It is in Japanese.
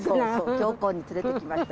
強行で連れてきました。